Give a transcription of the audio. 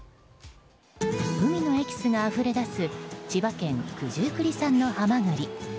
海のエキスがあふれ出す千葉県九十九里産のハマグリ。